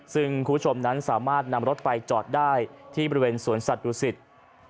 ซึ่งคุณผู้ชมนั้นสามารถนำรถไปจอดได้ที่บริเวณสวนสัตวศิษฐ์